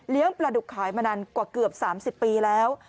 เลี้ยงประดุกขายมานานกว่าเกือบ๓๐ปีแล้ว